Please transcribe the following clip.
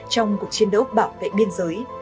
trong cuộc chiến đấu bảo vệ biên giới